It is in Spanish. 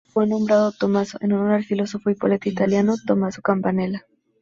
Fue nombrado Tommaso en honor al filósofo y poeta italiano Tommaso Campanella.